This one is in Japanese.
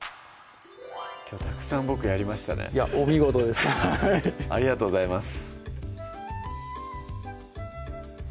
きょうたくさん僕やりましたねお見事ですありがとうございます